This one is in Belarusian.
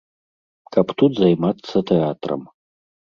Каб тут займацца тэатрам.